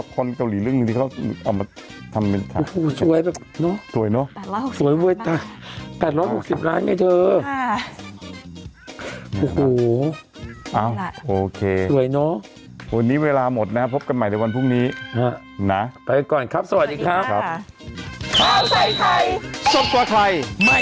ไปดูภาพเดิมไปดูภาพนี่